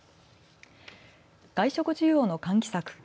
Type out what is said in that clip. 外食需要の喚起策